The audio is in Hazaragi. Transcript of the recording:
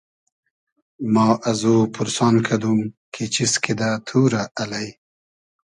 ما ازو پورسان کئدوم کی چیز کیدۂ تو رۂ الݷ